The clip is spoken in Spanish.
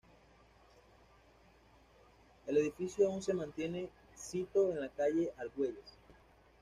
El edificio aún se mantiene sito en la calle Argüelles.